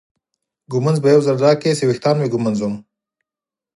ږومنځ به یو ځل راکړې چې ویښتان مې وږمنځم.